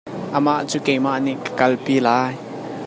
Amah cu keimah nih ka kalpi lai.